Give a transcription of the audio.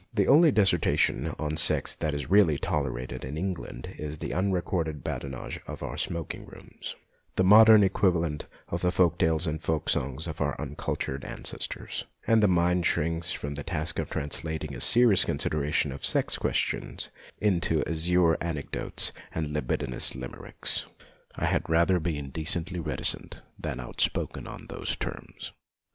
The only dis sertation on sex that is really tolerated in England is the unrecorded badinage of our smoking rooms, the modern equivalent of the folk tales and folk songs of our uncultured 144 MONOLOGUES ancestors ; and the mind shrinks from the task of translating a serious consideration of sex questions into azure anecdotes and libidinous limericks. I had rather be inde cently reticent than outspoken on those terms.